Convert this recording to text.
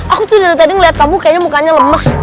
aku tuh dari tadi ngeliat kamu kayaknya mukanya lemes